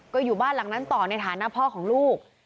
ก็อยู่บ้านหลังนั้นต่อในฐานะพ่อของลูก